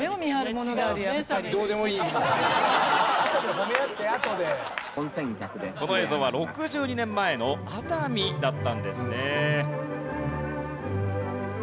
この映像は６２年前の熱海だったんですね。